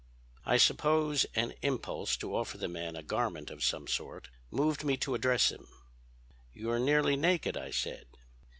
"I suppose an impulse to offer the man a garment of some sort moved me to address him. "'You're nearly naked,' I said.